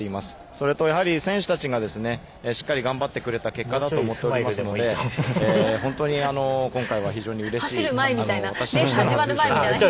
それとやはり選手たちがしっかり頑張ってくれた結果だと思っていますので本当に今回は非常にうれしい私としての初優勝となりました。